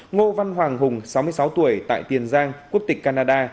ngô văn hoàng hùng sáu mươi sáu tuổi tại tiền giang quốc tịch canada